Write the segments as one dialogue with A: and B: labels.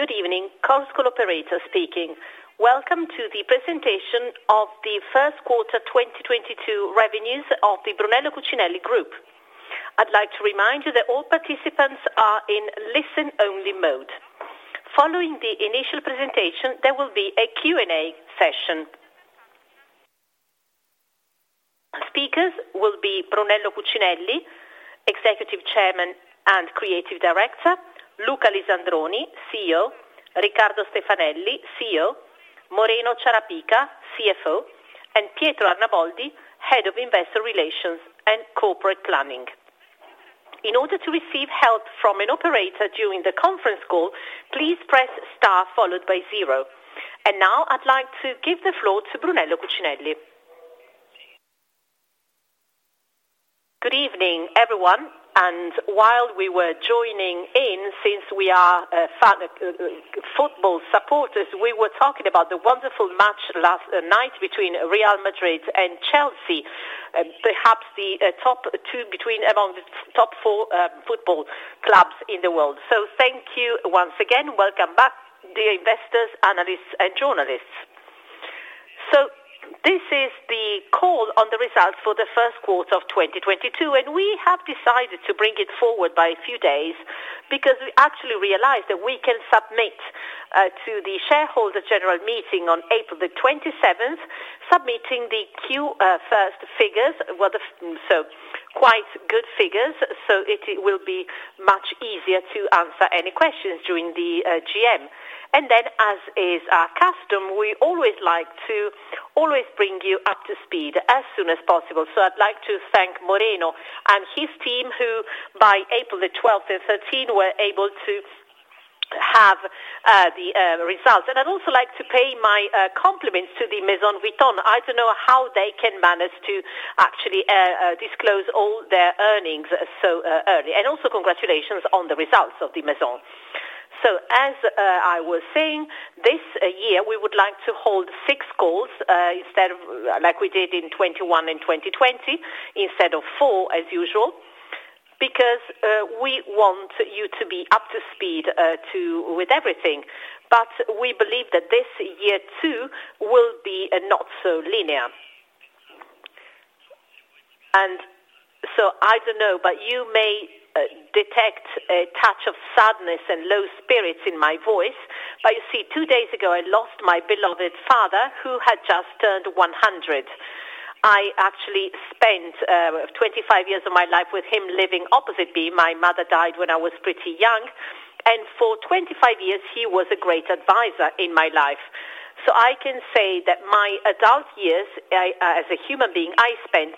A: Good evening. Chorus Call operator speaking. Welcome to the presentation of the First Quarter 2022 Revenues of the Brunello Cucinelli Group. I'd like to remind you that all participants are in listen only mode. Following the initial presentation, there will be a Q&A session. Speakers will be Brunello Cucinelli, Executive Chairman and Creative Director, Luca Lisandroni, CEO, Riccardo Stefanelli, CEO, Moreno Ciarapica, CFO, and Pietro Arnaboldi, Head of Investor Relations and Corporate Planning. In order to receive help from an operator during the conference call, please press star followed by zero. Now I'd like to give the floor to Brunello Cucinelli.
B: Good evening, everyone. While we were joining in, since we are football supporters, we were talking about the wonderful match last night between Real Madrid and Chelsea, perhaps the top two among the top four football clubs in the world. Thank you once again. Welcome back, dear investors, analysts and journalists. This is the call on the results for the first quarter of 2022, and we have decided to bring it forward by a few days because we actually realized that we can submit to the shareholder general meeting on April 27, submitting the Q1 figures. Quite good figures. It will be much easier to answer any questions during the GM. Then, as is our custom, we always like to bring you up to speed as soon as possible. I'd like to thank Moreno and his team, who by April 12 and 13 were able to have the results. I'd also like to pay my compliments to the Louis Vuitton. I don't know how they can manage to actually disclose all their earnings so early. Also congratulations on the results of the Maison. As I was saying, this year we would like to hold six calls instead of like we did in 2021 and 2020, instead of four as usual, because we want you to be up to speed with everything. We believe that this year too will be not so linear. I don't know, but you may detect a touch of sadness and low spirits in my voice. You see, two days ago, I lost my beloved father, who had just turned 100. I actually spent 25 years of my life with him living opposite me. My mother died when I was pretty young, and for 25 years he was a great advisor in my life. I can say that my adult years as a human being, I spent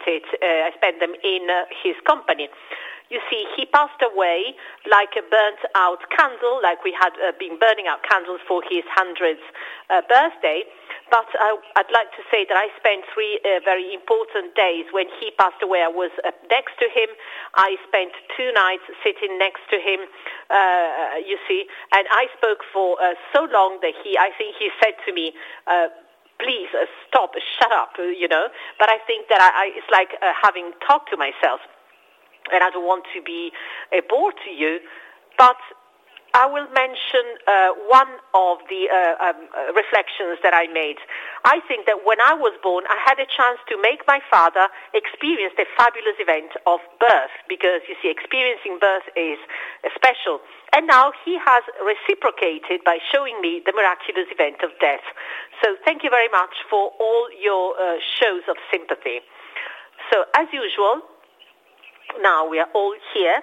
B: them in his company. You see, he passed away like a burned-out candle, like we had been burning out candles for his 100th birthday. I'd like to say that I spent three very important days when he passed away. I was next to him. I spent two nights sitting next to him, you see, and I spoke for so long that I think he said to me, "Please stop. Shut up," you know. I think that it's like having talked to myself, and I don't want to be a bore to you, but I will mention one of the reflections that I made. I think that when I was born, I had a chance to make my father experience the fabulous event of birth. Because, you see, experiencing birth is special. Now he has reciprocated by showing me the miraculous event of death. Thank you very much for all your shows of sympathy. As usual, now we are all here,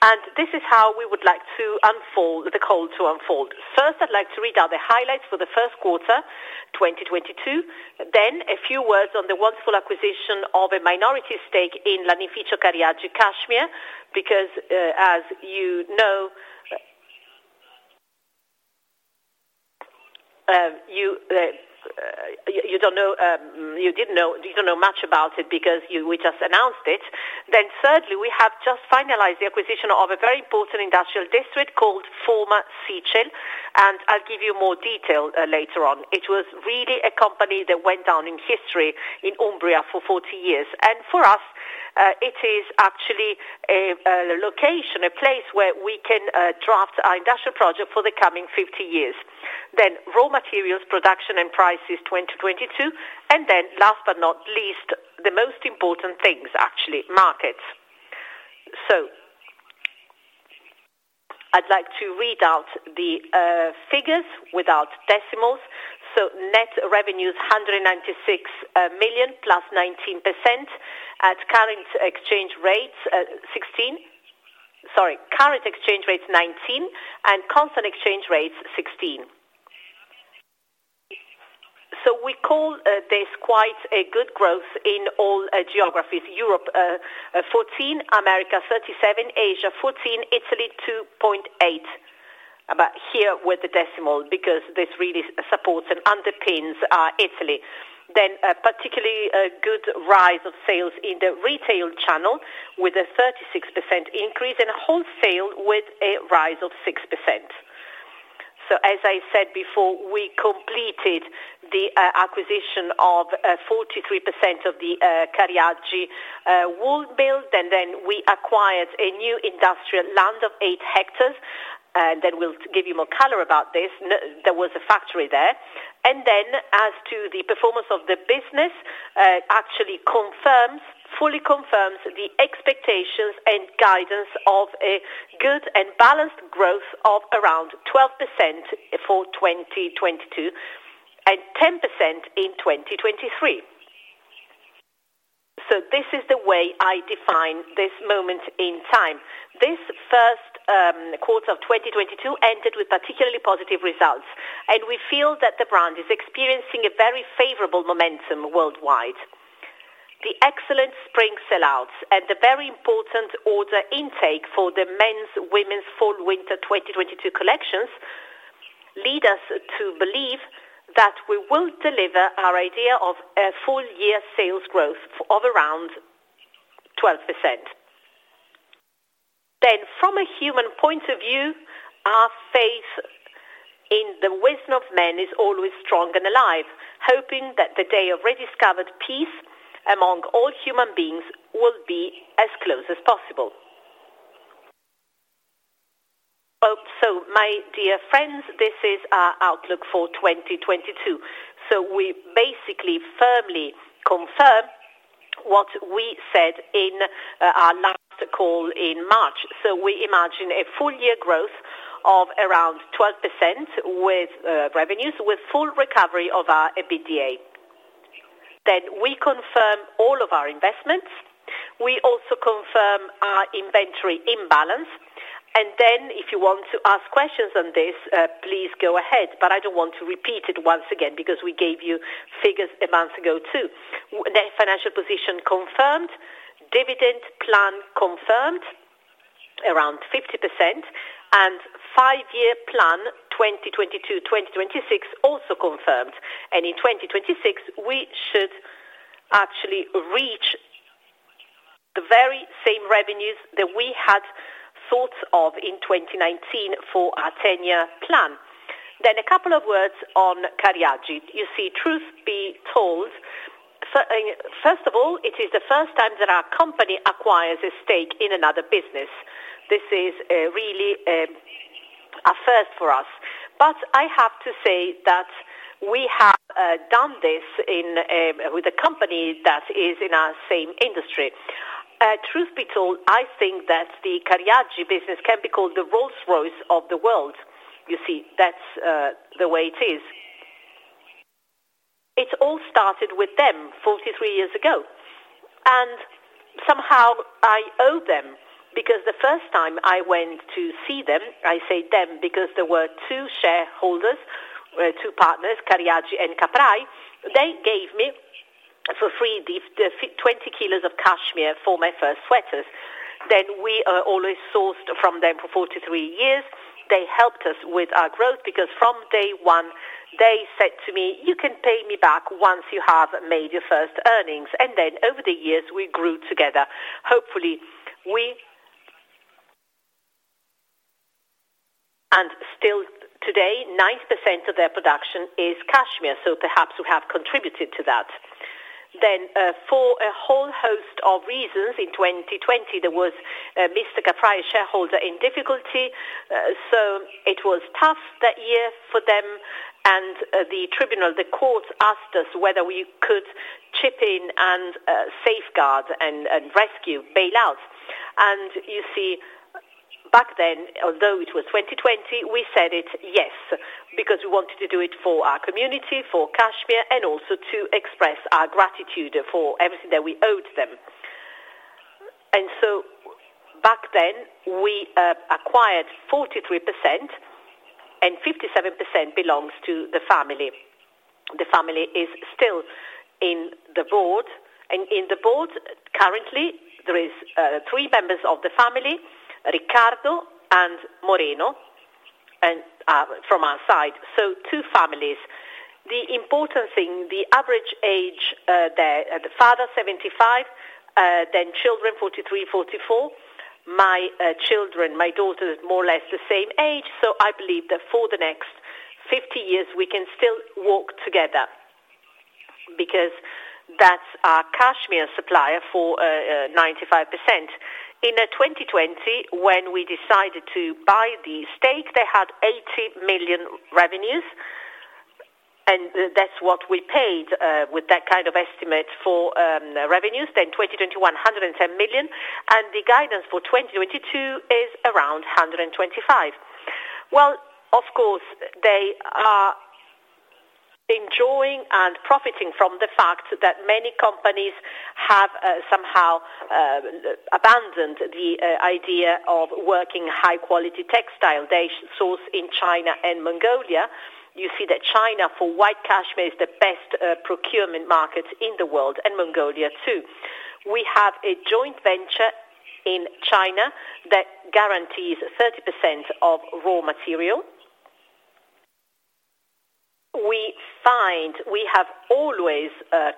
B: and this is how we would like to unfold the call to unfold. First, I'd like to read out the highlights for the first quarter, 2022, then a few words on the wonderful acquisition of a minority stake in Cariaggi Lanificio Cashmere, because as you know, you don't know much about it because we just announced it. Thirdly, we have just finalized the acquisition of a very important industrial district called Formas, and I'll give you more detail later on. It was really a company that went down in history in Umbria for 40 years. For us, it is actually a location, a place where we can draft our industrial project for the coming 50 years. Raw materials, production and prices 2022. Last but not least, the most important things actually, markets. I'd like to read out the figures without decimals. Net revenues 196 million +19% at current exchange rates, +16% at constant exchange rates. We call this quite a good growth in all geographies. Europe 14%, America 37%, Asia 14%, Italy 2.8%. Here with the decimal, because this really supports and underpins Italy. A particularly good rise of sales in the retail channel with a 36% increase and a wholesale with a rise of 6%. As I said before, we completed the acquisition of 43% of the Cariaggi wool mill, and then we acquired a new industrial land of 8 hectares. We'll give you more color about this. There was a factory there. As to the performance of the business, actually confirms, fully confirms the expectations and guidance of a good and balanced growth of around 12% for 2022 and 10% in 2023. This is the way I define this moment in time. This first quarter of 2022 ended with particularly positive results, and we feel that the brand is experiencing a very favorable momentum worldwide. The excellent spring sell-outs and the very important order intake for the Men's, Women's Fall Winter 2022 collections lead us to believe that we will deliver our idea of a full year sales growth of around 12%. From a human point of view, our faith in the wisdom of men is always strong and alive, hoping that the day of rediscovered peace among all human beings will be as close as possible. Well, my dear friends, this is our outlook for 2022. We basically firmly confirm what we said in our last call in March. We imagine a full year growth of around 12% with revenues, with full recovery of our EBITDA. We confirm all of our investments. We also confirm our inventory imbalance. If you want to ask questions on this, please go ahead, but I don't want to repeat it once again because we gave you figures a month ago, too. The financial position confirmed, dividend plan confirmed around 50%, and five-year plan 2022-2026 also confirmed. In 2026 we should actually reach the very same revenues that we had thought of in 2019 for our 10-year plan. A couple of words on Cariaggi. You see, truth be told, first of all, it is the first time that our company acquires a stake in another business. This is really a first for us. I have to say that we have done this with a company that is in our same industry. Truth be told, I think that the Cariaggi business can be called the Rolls-Royce of the world. You see, that's the way it is. It all started with them 43 years ago, and somehow I owe them because the first time I went to see them. I say them because there were two shareholders, two partners, Cariaggi and Caprai. They gave me for free the 20 kilos of cashmere for my first sweaters. Then we always sourced from them for 43 years. They helped us with our growth because from day one they said to me, "You can pay me back once you have made your first earnings." Then over the years, we grew together. Still today, 9% of their production is cashmere, so perhaps we have contributed to that. For a whole host of reasons, in 2020 there was Mr. Caprai, a shareholder, in difficulty, so it was tough that year for them and the tribunal, the courts asked us whether we could chip in and safeguard and rescue, bail out. You see, back then, although it was 2020, we said yes, because we wanted to do it for our community, for cashmere, and also to express our gratitude for everything that we owed them. Back then we acquired 43% and 57% belongs to the family. The family is still on the board. In the board currently there is three members of the family, Riccardo and Moreno, and from our side, so two families. The important thing, the average age there, the father 75, then children 43, 44. My children, my daughter is more or less the same age, so I believe that for the next 50 years we can still walk together because that's our cashmere supplier for 95%. In 2020 when we decided to buy the stake, they had 80 million revenues, and that's what we paid with that kind of estimate for revenues. Then 2021, 110 million, and the guidance for 2022 is around 125 million. Well, of course, they are enjoying and profiting from the fact that many companies have somehow abandoned the idea of working high-quality textile. They source in China and Mongolia. You see that China for white cashmere is the best procurement market in the world, and Mongolia too. We have a joint venture in China that guarantees 30% of raw material. We find we have always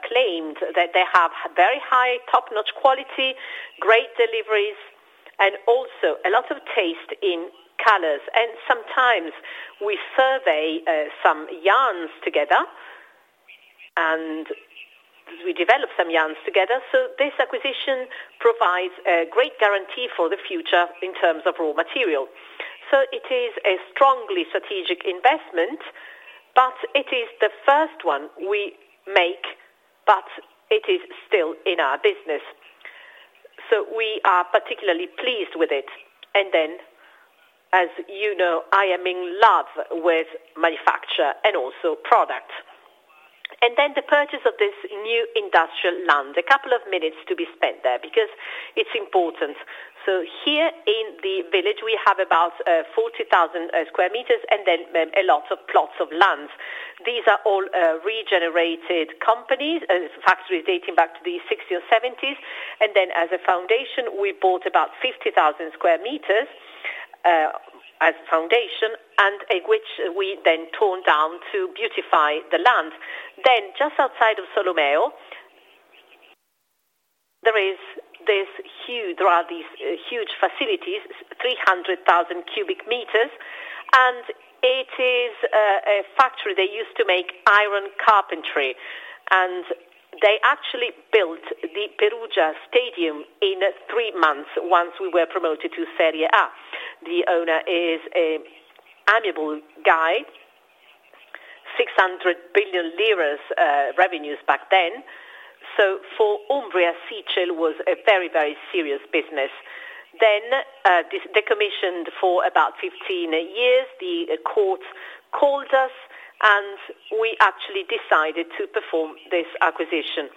B: claimed that they have very high, top-notch quality, great deliveries, and also a lot of taste in colors. Sometimes we survey some yarns together. We developed some yarns together. This acquisition provides a great guarantee for the future in terms of raw material. It is a strongly strategic investment, but it is the first one we make, but it is still in our business. We are particularly pleased with it. As you know, I am in love with manufacture and also product. The purchase of this new industrial land, a couple of minutes to be spent there because it's important. Here in the village, we have about 40,000 sq m and then a lot of plots of land. These are all regenerated companies and factories dating back to the 1960s or 1970s. As a foundation, we bought about 50,000 sq m as foundation and which we then tore down to beautify the land. Just outside of Solomeo, there are these huge facilities, 300,000 cubic m, and it is a factory. They used to make iron carpentry, and they actually built the Perugia Stadium in three months once we were promoted to Serie A. The owner is an amiable guy, 600 billion liras revenues back then. For Umbria was a very, very serious business. This decommissioned for about 15 years, the court called us, and we actually decided to perform this acquisition.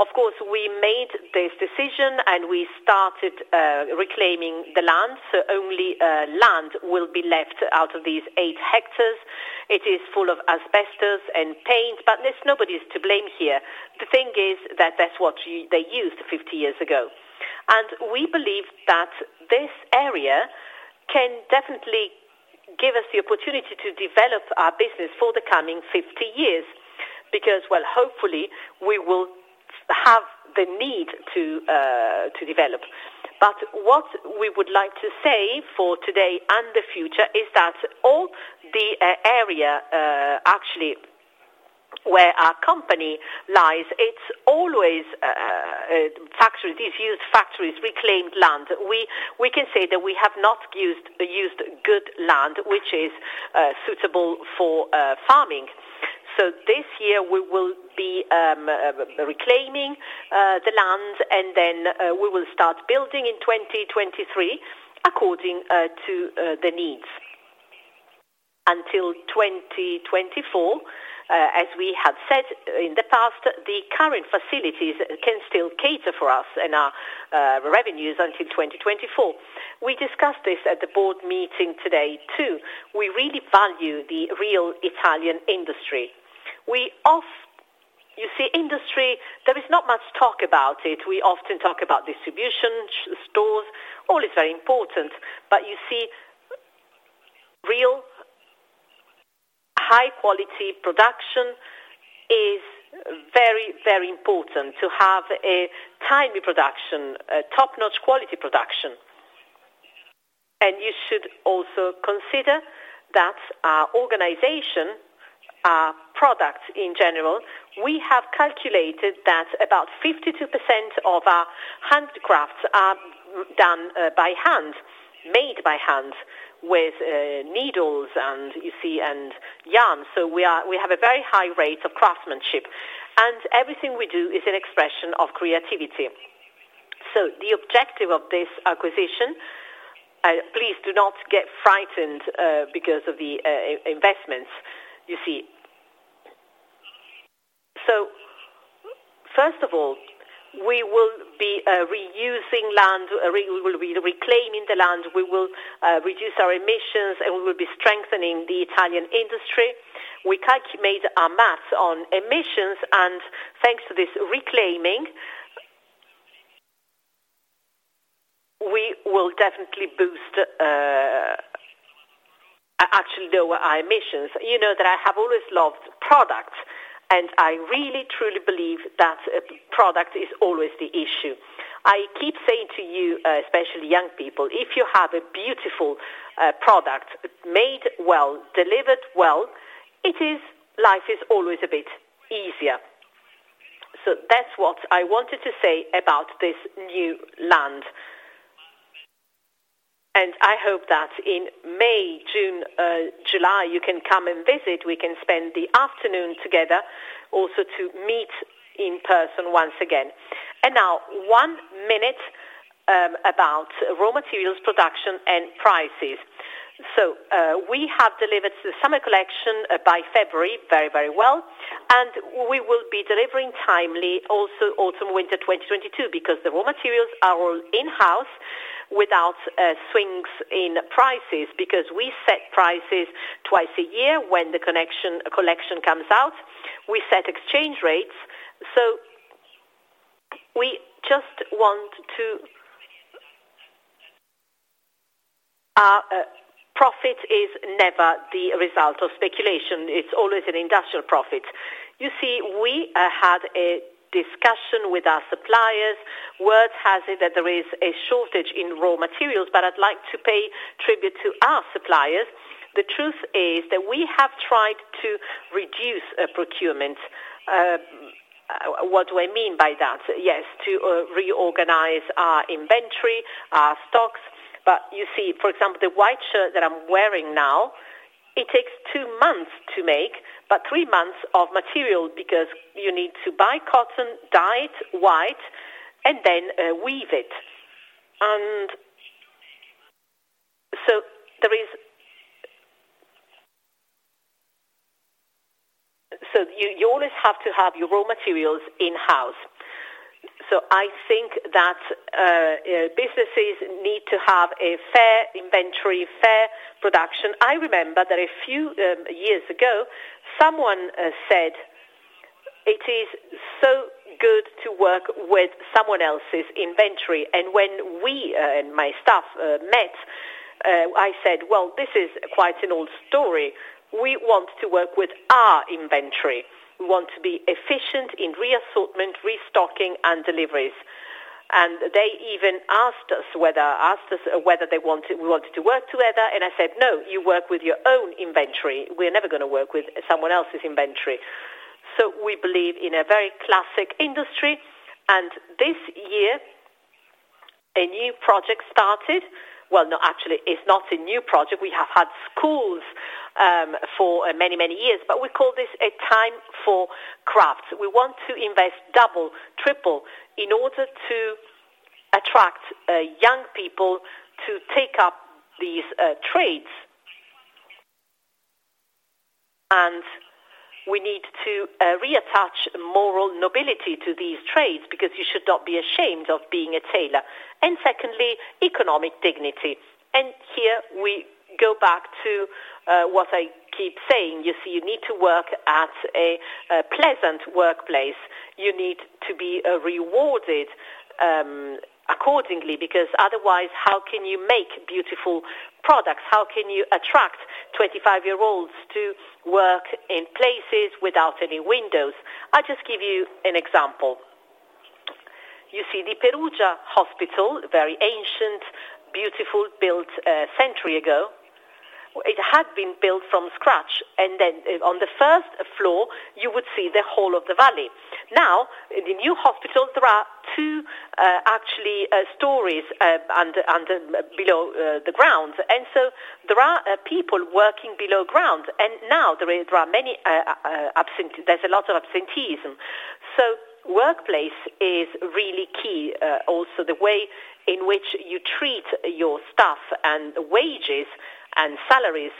B: Of course, we made this decision, and we started reclaiming the land, so only land will be left out of these eight hectares. It is full of asbestos and paint, but there's nobody to blame here. The thing is that that's what they used 50 years ago. We believe that this area can definitely give us the opportunity to develop our business for the coming 50 years because, well, hopefully, we will have the need to develop. What we would like to say for today and the future is that all the area, actually, where our company lies, it's always factories, these huge factories, reclaimed land. We can say that we have not used good land, which is suitable for farming. This year, we will be reclaiming the land, and then we will start building in 2023 according to the needs. Until 2024, as we have said in the past, the current facilities can still cater for us and our revenues until 2024. We discussed this at the board meeting today, too. We really value the real Italian industry. You see, industry, there is not much talk about it. We often talk about distribution, stores, all is very important. You see real high-quality production is very, very important to have a timely production, a top-notch quality production. You should also consider that our organization, our product in general, we have calculated that about 52% of our handcrafts are done by hand, made by hand with needles and you see and yarn. We have a very high rate of craftsmanship, and everything we do is an expression of creativity. The objective of this acquisition, please do not get frightened because of the investments, you see. First of all, we will be reusing land, we will be reclaiming the land. We will reduce our emissions, and we will be strengthening the Italian industry. We calculated our math on emissions, and thanks to this reclaiming, we will definitely boost actually lower our emissions. You know that I have always loved products, and I really, truly believe that product is always the issue. I keep saying to you, especially young people, if you have a beautiful product made well, delivered well. Life is always a bit easier. That's what I wanted to say about this new land. I hope that in May, June, July, you can come and visit. We can spend the afternoon together also to meet in person once again. Now one minute about raw materials, production and prices. We have delivered the summer collection by February very, very well, and we will be delivering timely also autumn/winter 2022 because the raw materials are all in-house without swings in prices because we set prices twice a year when the collection comes out. We set exchange rates, so we just want to. Our profit is never the result of speculation. It's always an industrial profit. You see, we had a discussion with our suppliers. Word has it that there is a shortage in raw materials, but I'd like to pay tribute to our suppliers. The truth is that we have tried to reduce procurement. What do I mean by that? Yes, to reorganize our inventory, our stocks. You see, for example, the white shirt that I'm wearing now, it takes two months to make, but three months of material because you need to buy cotton, dye it white, and then weave it. You always have to have your raw materials in-house. I think that businesses need to have a fair inventory, fair production. I remember that a few years ago, someone said, "It is so good to work with someone else's inventory." When we and my staff met, I said, "Well, this is quite an old story. We want to work with our inventory. We want to be efficient in re-assortment, restocking, and deliveries." They even asked us whether we wanted to work together. I said, "No, you work with your own inventory. We're never gonna work with someone else's inventory." We believe in a very classic industry. This year, a new project started. Well, no, actually, it's not a new project. We have had schools for many, many years, but we call this a time for crafts. We want to invest double, triple in order to attract young people to take up these trades. We need to reattach moral nobility to these trades because you should not be ashamed of being a tailor. Secondly, economic dignity. Here we go back to what I keep saying. You see, you need to work at a pleasant workplace. You need to be rewarded accordingly, because otherwise, how can you make beautiful products? How can you attract 25-year-olds to work in places without any windows? I'll just give you an example. You see, the Perugia Hospital, very ancient, beautiful, built a century ago. It had been built from scratch, and then on the first floor, you would see the whole of the valley. Now, the new hospital, there are two actually stories underground. There are people working below ground. There's a lot of absenteeism. Workplace is really key. Also the way in which you treat your staff and wages and salaries,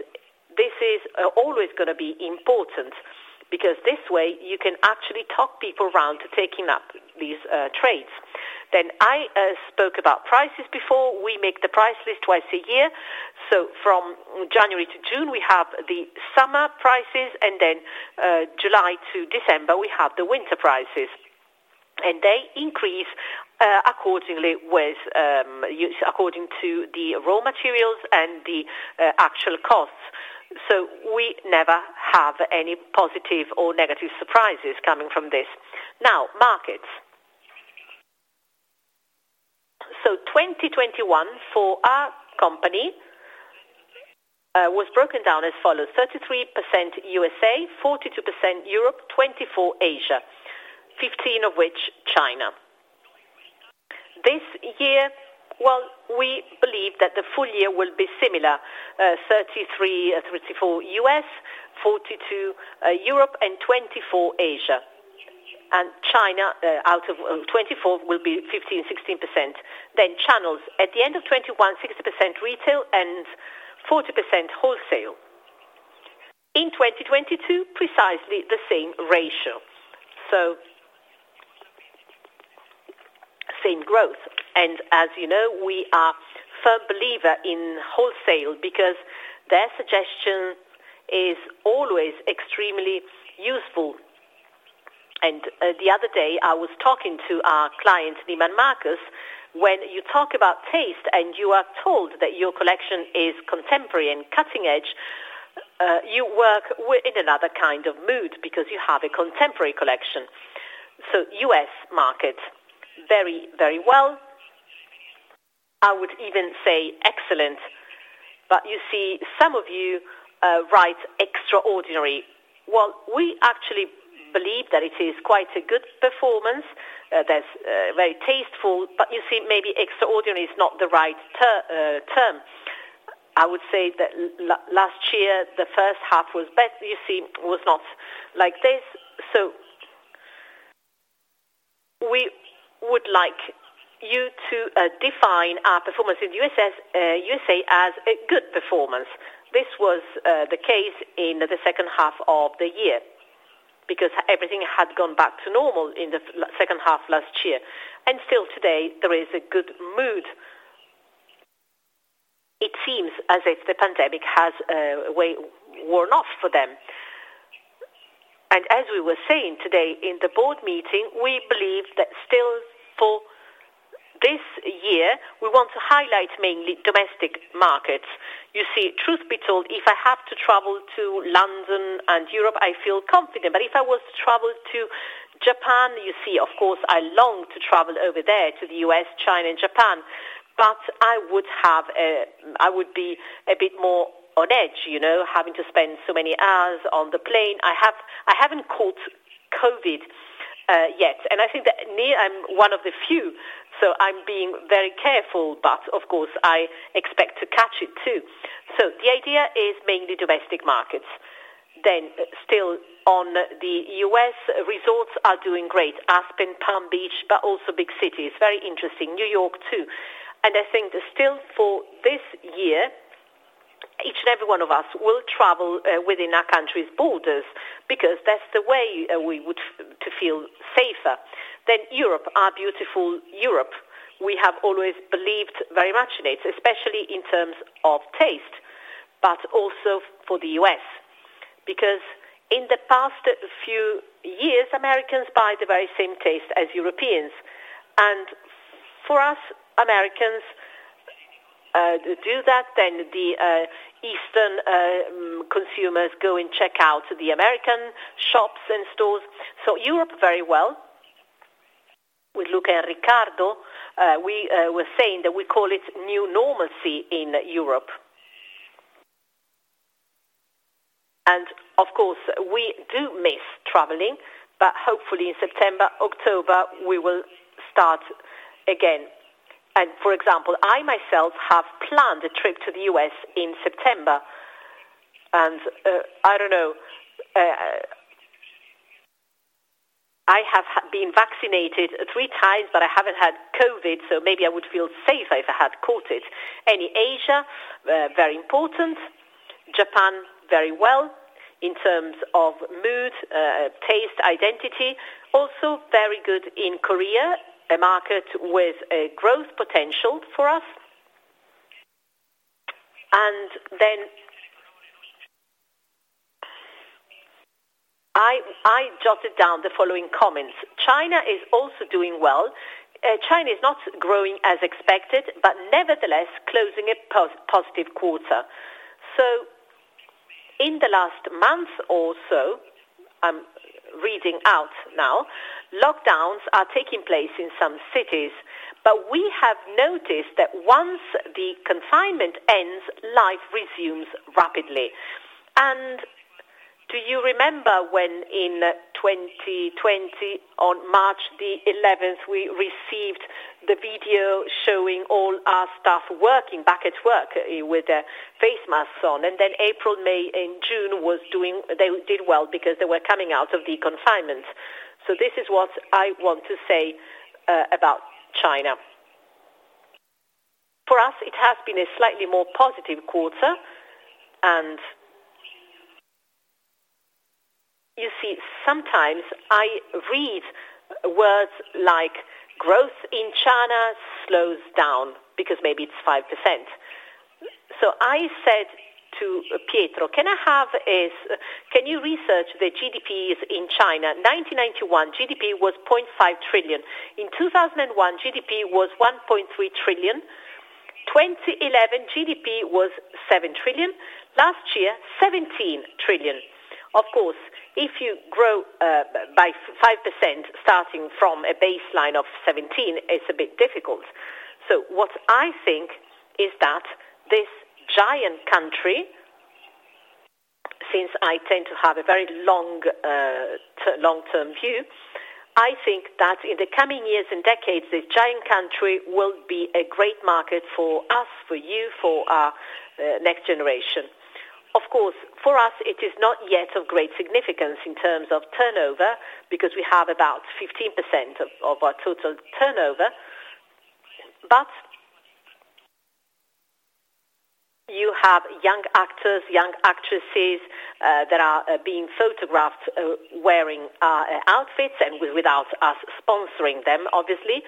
B: this is always gonna be important because this way you can actually talk people around to taking up these trades. I spoke about prices before. We make the price list twice a year. From January to June, we have the summer prices, and then July to December, we have the winter prices. They increase according to the raw materials and the actual costs. We never have any positive or negative surprises coming from this. Now, markets. 2021 for our company was broken down as follows: 33% USA, 42% Europe, 24% Asia, 15% of which China. This year, well, we believe that the full year will be similar, 33%-34% U.S., 42% Europe, and 24% Asia. China, out of 24%, will be 15%-16%. Channels, at the end of 2021, 60% retail and 40% wholesale. In 2022, precisely the same ratio. Same growth. As you know, we are firm believer in wholesale because their suggestion is always extremely useful. The other day, I was talking to our client, Neiman Marcus, when you talk about taste and you are told that your collection is contemporary and cutting edge, you work in another kind of mood because you have a contemporary collection. U.S. market very, very well. I would even say excellent. You see some of you right, extraordinary. Well, we actually believe that it is quite a good performance that's very tasteful, but you see, maybe extraordinary is not the right term. I would say that last year, the first half was best. You see, it was not like this. We would like you to define our performance in the U.S., USA as a good performance. This was the case in the second half of the year because everything had gone back to normal in the second half last year. Still today, there is a good mood. It seems as if the pandemic has worn off for them. As we were saying today in the board meeting, we believe that still for this year, we want to highlight mainly domestic markets. You see, truth be told, if I have to travel to London and Europe, I feel confident. If I was to travel to Japan, you see, of course, I long to travel over there to the U.S., China, and Japan. I would have, I would be a bit more on edge, you know, having to spend so many hours on the plane. I haven't caught COVID yet, and I think that me, I'm one of the few, so I'm being very careful, but of course I expect to catch it too. The idea is mainly domestic markets. Still on the U.S., resorts are doing great. Aspen, Palm Beach, but also big cities. Very interesting. New York too. I think that still for this year, each and every one of us will travel within our country's borders because that's the way we would feel safer. Europe, our beautiful Europe, we have always believed very much in it, especially in terms of taste, but also for the U.S., because in the past few years, Americans buy the very same taste as Europeans. For us Americans do that, then the eastern consumers go and check out the American shops and stores. Europe, very well. We look at Riccardo, we were saying that we call it new normalcy in Europe. Of course, we do miss traveling, but hopefully in September, October, we will start again. For example, I myself have planned a trip to the U.S. in September. I don't know, I have been vaccinated three times, but I haven't had COVID, so maybe I would feel safe if I had caught it. In Asia, very important. Japan, very well in terms of mood, taste, identity. Also very good in Korea, a market with a growth potential for us. I jotted down the following comments. China is also doing well. China is not growing as expected, but nevertheless closing a positive quarter. In the last month or so, I'm reading out now, lockdowns are taking place in some cities, but we have noticed that once the confinement ends, life resumes rapidly. Do you remember when in 2020, on March 11, we received the video showing all our staff working, back at work with their face masks on, and then April, May, and June, they did well because they were coming out of the confinement. This is what I want to say about China. For us, it has been a slightly more positive quarter. You see, sometimes I read words like growth in China slows down because maybe it's 5%. I said to Pietro, "Can you research the GDPs in China?" 1991, GDP was $0.5 trillion. In 2001, GDP was $1.3 trillion. 2011, GDP was $7 trillion. Last year, $17 trillion. Of course, if you grow by 5% starting from a baseline of 17, it's a bit difficult. What I think is that this giant country, since I tend to have a very long-term view, I think that in the coming years and decades, this giant country will be a great market for us, for you, for our next generation. Of course, for us, it is not yet of great significance in terms of turnover because we have about 15% of our total turnover. You have young actors, young actresses that are being photographed wearing our outfits and without us sponsoring them, obviously.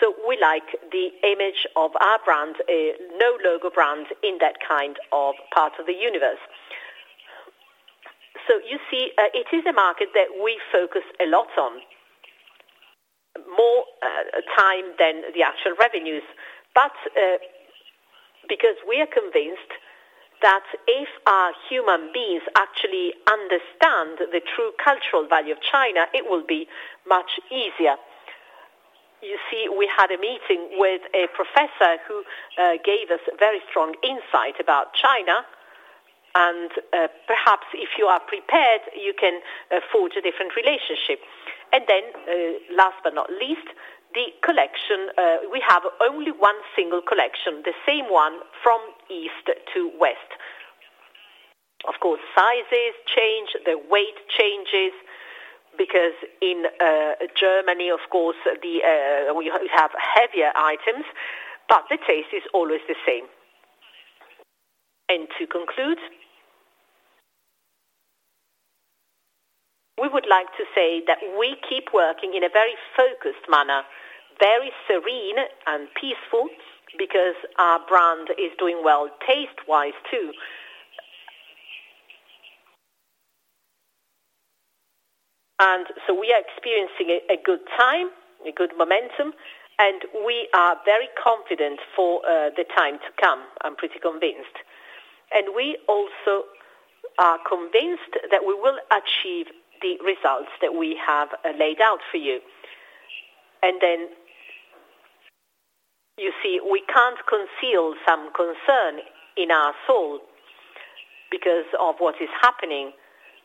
B: We like the image of our brand, a no logo brand in that kind of part of the universe. You see, it is a market that we focus a lot on, more time than the actual revenues. Because we are convinced that if our human beings actually understand the true cultural value of China, it will be much easier. You see, we had a meeting with a professor who gave us very strong insight about China. Perhaps if you are prepared, you can forge a different relationship. Then, last but not least, the collection. We have only one single collection, the same one from east to west. Of course, sizes change, the weight changes because in Germany, of course, we have heavier items, but the taste is always the same. To conclude. We would like to say that we keep working in a very focused manner, very serene and peaceful because our brand is doing well taste-wise too. We are experiencing a good time, a good momentum, and we are very confident for the time to come. I'm pretty convinced. We also are convinced that we will achieve the results that we have laid out for you. You see, we can't conceal some concern in our soul because of what is happening.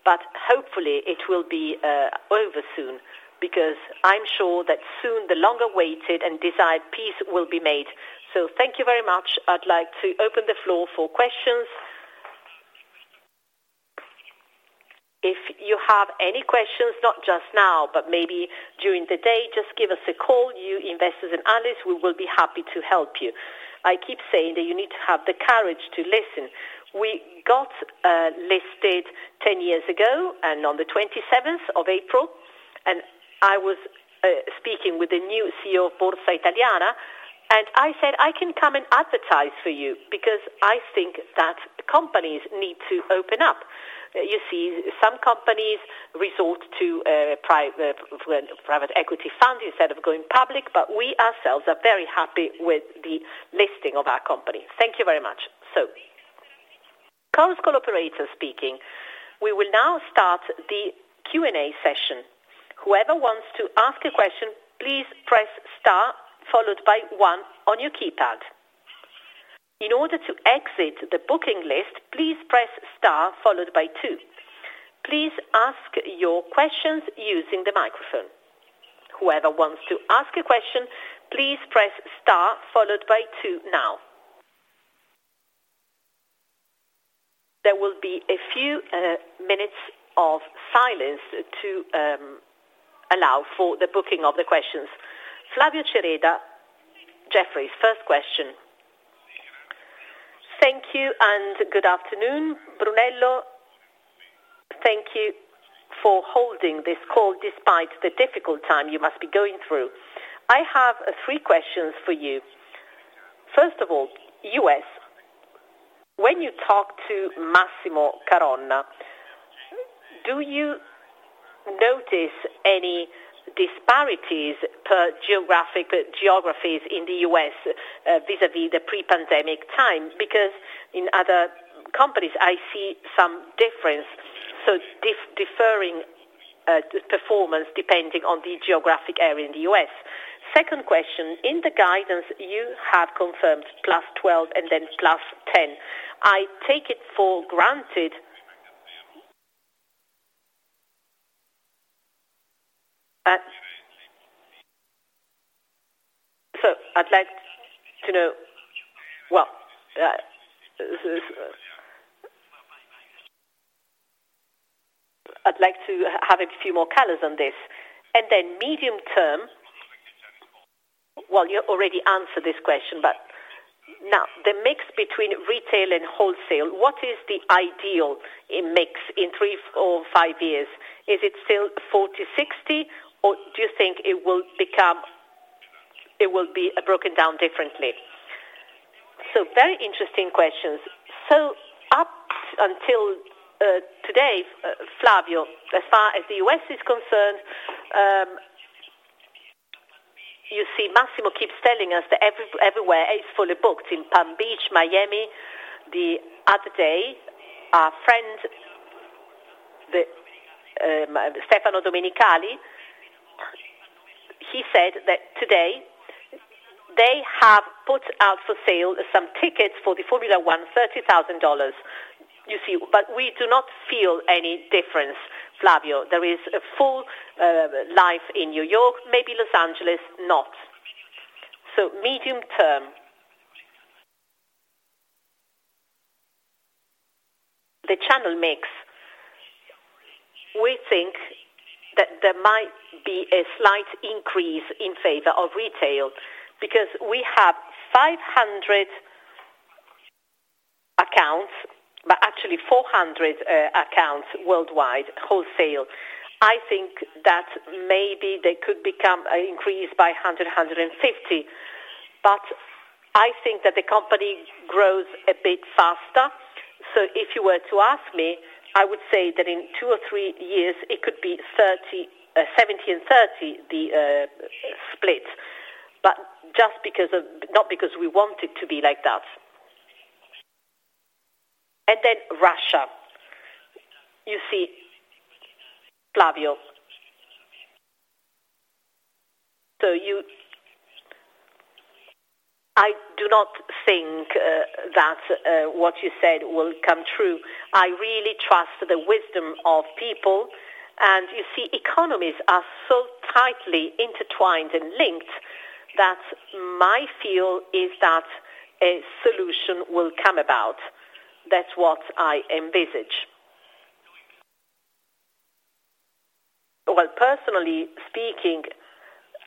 B: Hopefully it will be over soon, because I'm sure that soon the long-awaited and desired peace will be made. Thank you very much. I'd like to open the floor for questions. If you have any questions, not just now, but maybe during the day, just give us a call, you investors and analysts, we will be happy to help you. I keep saying that you need to have the courage to listen. We got listed 10 years ago and on the 27th of April, and I was speaking with the new CEO of Borsa Italiana, and I said, "I can come and advertise for you," because I think that companies need to open up. You see some companies resort to private equity funds instead of going public. We ourselves are very happy with the listing of our company. Thank you very much.
A: So, conference operator speaking, we will now start the Q&A session. Whoever wants to ask a question, please press star followed by one on your keypad. In order to exit the booking list, please press star followed by two. Please ask your questions using the microphone. Whoever wants to ask a question, please press star followed by two now. There will be a few minutes of silence to allow for the booking of the questions.
B: Flavio Cereda, Jefferies. First question.
C: Thank you and good afternoon, Brunello. Thank you for holding this call despite the difficult time you must be going through. I have three questions for you. First of all, U.S., when you talk to Massimo Caronna, do you notice any disparities per geographies in the U.S. vis-à-vis the pre-pandemic times? Because in other companies I see some difference. Differing performance depending on the geographic area in the U.S. Second question, in the guidance you have confirmed +12% and then +10%. I take it for granted. I'd like to know. Well, I'd like to have a few more colors on this. Then medium-term, well, you already answered this question, but now the mix between retail and wholesale, what is the ideal mix in three or five years? Is it still 40, 60, or do you think it will become it will be broken down differently?
B: Very interesting questions. Up until today, Flavio, as far as the U.S. is concerned, Massimo has been telling us that everywhere in Palm Beach and Miami is fully booked. The other day, our friend, the Stefano Domenicali, he said that today they have put out for sale some tickets for the Formula One, $30,000, you see. But we do not feel any difference, Flavio. There is a full life in New York, maybe Los Angeles, not. Medium-term, the channel mix, we think that there might be a slight increase in favor of retail because we have 500 accounts, but actually 400 accounts worldwide, wholesale. I think that maybe they could become increased by 100-150, but I think that the company grows a bit faster. If you were to ask me, I would say that in two or three years it could be 70 and 30, the split. But just because of, not because we want it to be like that. Then Russia. You see, Flavio. I do not think that what you said will come true. I really trust the wisdom of people. You see, economies are so tightly intertwined and linked that my feel is that a solution will come about. That's what I envisage. Well, personally speaking,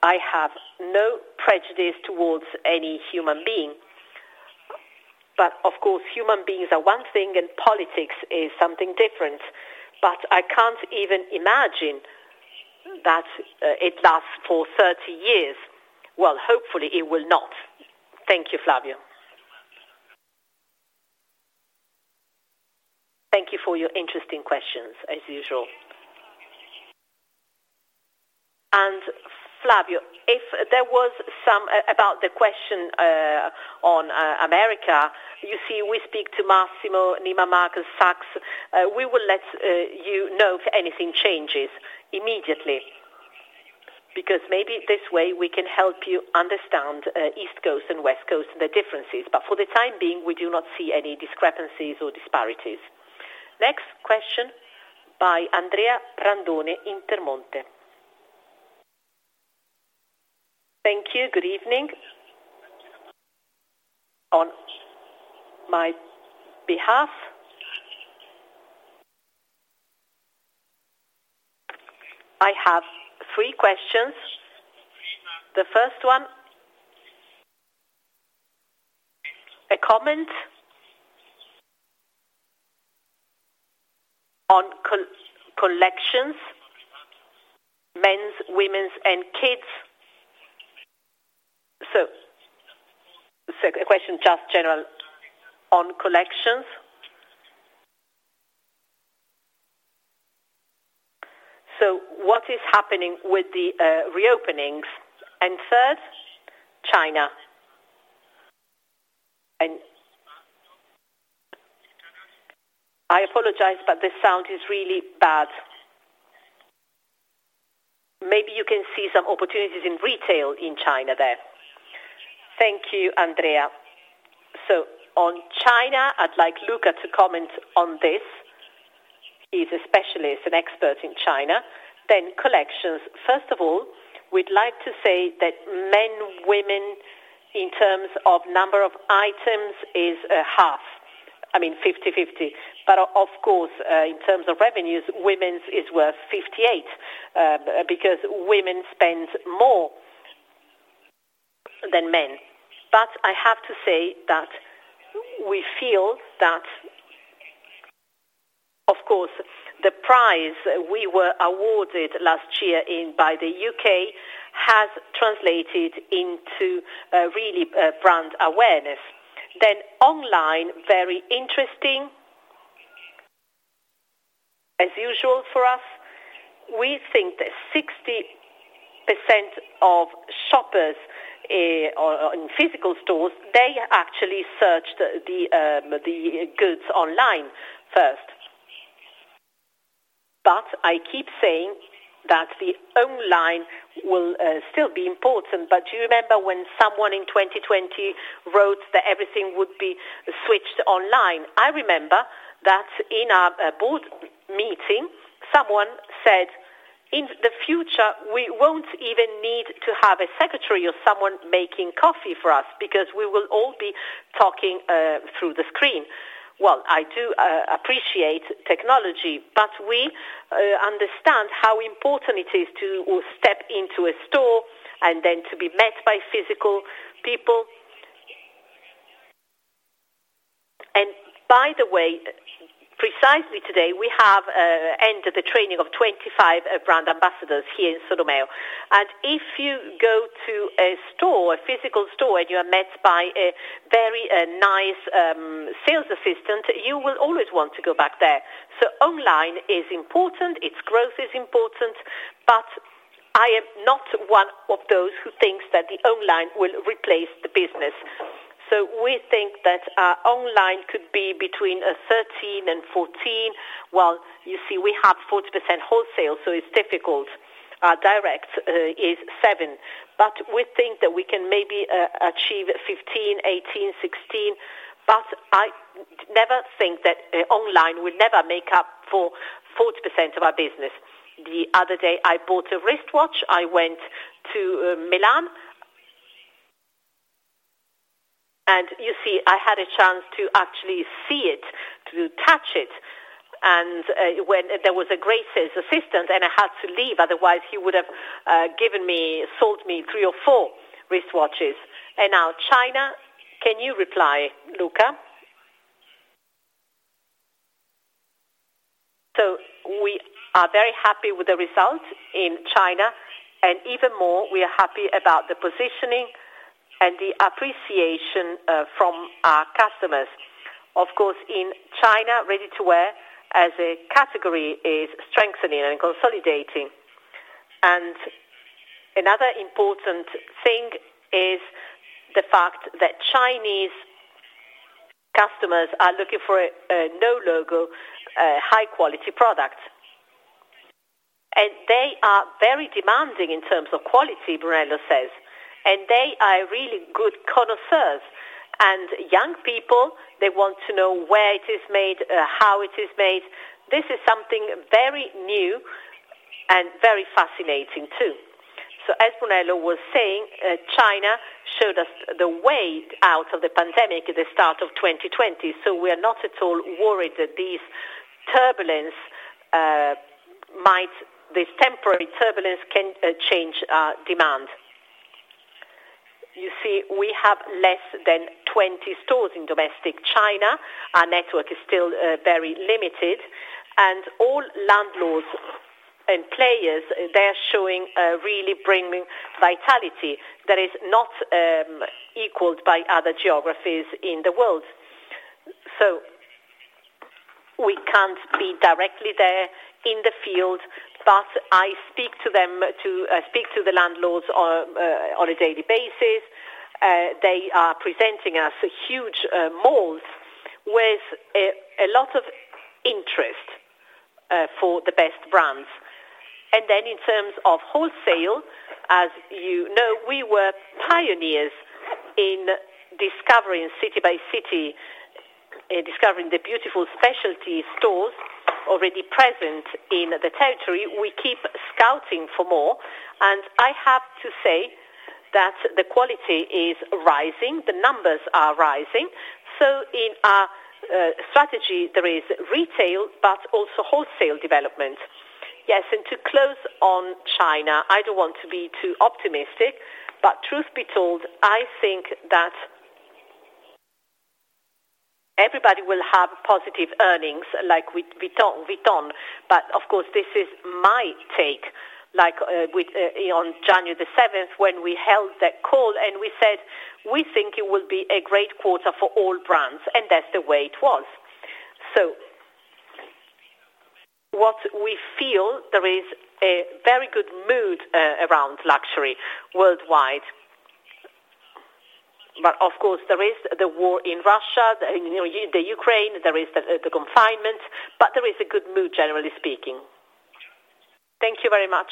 B: I have no prejudice towards any human being. Of course, human beings are one thing and politics is something different. I can't even imagine that it lasts for 30 years. Well, hopefully it will not. Thank you, Flavio. Thank you for your interesting questions as usual. Flavio, if there was some about the question on America, you see, we speak to Massimo Caronna. We will let you know if anything changes immediately, because maybe this way we can help you understand East Coast and West Coast and the differences. For the time being, we do not see any discrepancies or disparities.
A: Next question by Andrea Randone, Intermonte.
D: Thank you. Good evening. On my behalf, I have three questions. The first one. A comment on collections, men's, women's, and kids. So a question just general on collections. What is happening with the reopenings? And third, China. And I apologize, but the sound is really bad. Maybe you can see some opportunities in retail in China there.
B: Thank you, Andrea. On China, I'd like Luca to comment on this. He's a specialist and expert in China. Collections. First of all, we'd like to say that men, women, in terms of number of items is a half, I mean 50/50. But of course, in terms of revenues, women's is worth 58%, because women spend more than men. I have to say that we feel that, of course, the prize we were awarded last year in by the U.K. has translated into really brand awareness. Online, very interesting. As usual for us, we think that 60% of shoppers or in physical stores, they actually search the goods online first. I keep saying that the online will still be important. Do you remember when someone in 2020 wrote that everything would be switched online? I remember that in a board meeting, someone said, "In the future, we won't even need to have a secretary or someone making coffee for us because we will all be talking through the screen." Well, I do appreciate technology, but we understand how important it is to step into a store and then to be met by physical people. By the way, precisely today, we have ended the training of 25 brand ambassadors here in Solomeo. If you go to a store, a physical store, and you are met by a very nice sales assistant, you will always want to go back there. Online is important, its growth is important, but I am not one of those who thinks that the online will replace the business. We think that our online could be between 13%-14%. Well, you see, we have 40% wholesale, so it's difficult. Our direct is 7%. But we think that we can maybe achieve 15, 18, 16. But I never think that online will never make up for 40% of our business. The other day, I bought a wristwatch. I went to Milan. You see, I had a chance to actually see it, to touch it. When there was a great sales assistant and I had to leave, otherwise he would have given me, sold me three or four wristwatches. Now, can you reply, Luca?
E: We are very happy with the result in China, and even more, we are happy about the positioning and the appreciation from our customers. Of course, in China, ready-to-wear as a category is strengthening and consolidating. Another important thing is the fact that Chinese customers are looking for a no logo, a high quality product. They are very demanding in terms of quality, Brunello says. They are really good connoisseurs. Young people, they want to know where it is made, how it is made. This is something very new and very fascinating too. As Brunello was saying, China showed us the way out of the pandemic at the start of 2020. We are not at all worried. This temporary turbulence can change our demand. You see, we have less than 20 stores in domestic China. Our network is still very limited, and all landlords and players, they're showing really bringing vitality that is not equaled by other geographies in the world. We can't be directly there in the field, but I speak to the landlords on a daily basis. They are presenting us huge malls with a lot of interest for the best brands. Then in terms of wholesale, as you know, we were pioneers in discovering city by city, discovering the beautiful specialty stores already present in the territory. We keep scouting for more. I have to say that the quality is rising, the numbers are rising. In our strategy, there is retail, but also wholesale development. Yes.
B: To close on China, I don't want to be too optimistic, but truth be told, I think that everybody will have positive earnings like Vuitton. Of course, this is my take. Like, with, on January the 7th when we held that call and we said, "We think it will be a great quarter for all brands," and that's the way it was. What we feel there is a very good mood around luxury worldwide. Of course, there is the war in Russia, you know, the Ukraine, there is the confinement, but there is a good mood, generally speaking. Thank you very much,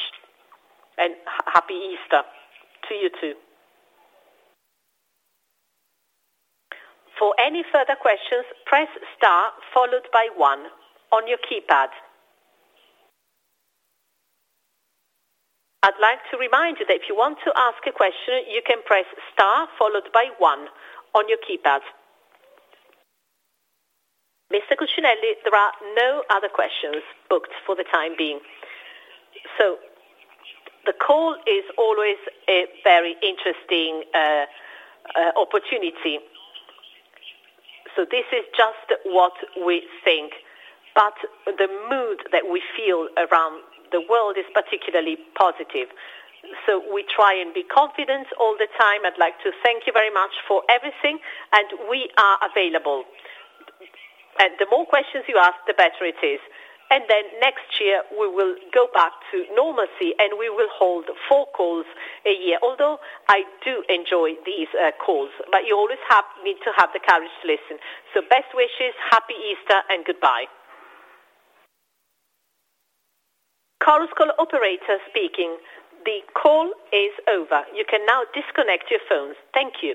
B: and Happy Easter to you, too.
A: For any further questions press star followed by one on your keypad. I'd like to remind you that if you want to ask a question, you can press star followed by one on your keypad. Mr. Cucinelli, there are no other questions booked for the time being.
B: The call is always a very interesting opportunity. This is just what we think, but the mood that we feel around the world is particularly positive. We try and be confident all the time. I'd like to thank you very much for everything. We are available. The more questions you ask, the better it is. Then next year we will go back to normalcy, and we will hold four calls a year. Although I do enjoy these calls, but you always need to have the courage to listen. Best wishes, Happy Easter and goodbye.
A: You can now disconnect your phones. Thank you.